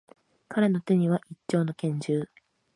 彼の手には、一丁の拳銃。